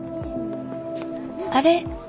あれ？